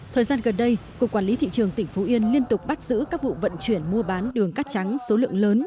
thời gian gần đây cục quản lý thị trường tỉnh phú yên liên tục bắt giữ các vụ vận chuyển mua bán đường cát trắng số lượng lớn